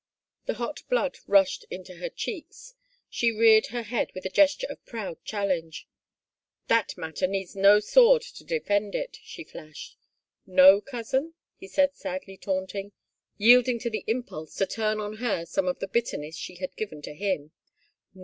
The hot blood rushed into her cheeks ; she reared her head with a gesture of proud challenge. " That matter needs no sword to defend it," she flashed. " No, cousin ?" he said sadly taunting, yielding to the impulse to turn on her some of the bitterness she had given to him.